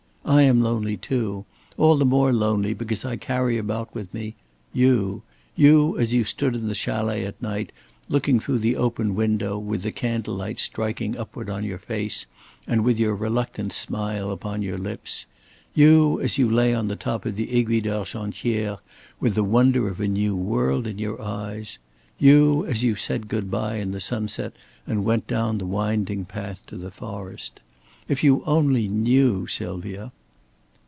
I am lonely too; all the more lonely because I carry about with me you you as you stood in the chalet at night looking through the open window, with the candle light striking upward on your face, and with your reluctant smile upon your lips you as you lay on the top of the Aiguille d'Argentière with the wonder of a new world in your eyes you as you said good by in the sunset and went down the winding path to the forest. If you only knew, Sylvia!"